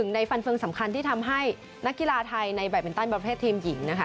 ในฟันเฟืองสำคัญที่ทำให้นักกีฬาไทยในแบตมินตันประเภททีมหญิงนะคะ